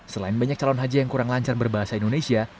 selain banyak calon haji yang kurang lancar berbahasa indonesia